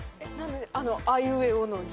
あいうえおの順番。